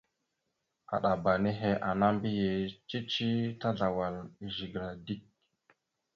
Aɗaba nehe ana mbiyez cici tazlawal e zigəla dik.